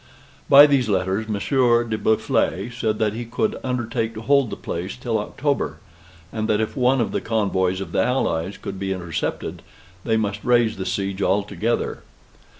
By these letters Monsieur de Boufflers said that he could undertake to hold the place till October; and that if one of the convoys of the Allies could be intercepted, they must raise the siege altogether.